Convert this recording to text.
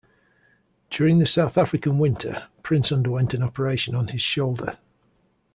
During the South African winter, Prince underwent an operation on his shoulder.